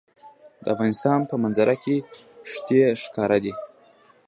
د افغانستان په منظره کې ښتې ښکاره ده.